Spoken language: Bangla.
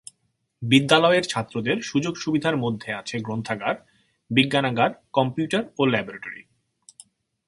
বিদ্যালয়ে ছাত্রদের সুযোগ-সুবিধার মধ্যে আছে গ্রন্থাগার, বিজ্ঞানাগার, কম্পিউটার ও ল্যাবরেটরি।